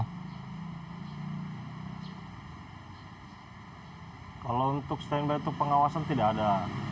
kalau untuk stand by itu pengawasan tidak ada